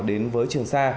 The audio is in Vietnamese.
đến với trường sa